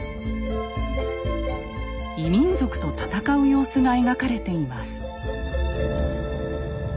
異民族と戦う様子が描かれています。